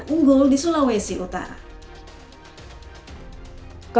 unggul di sulawesi utara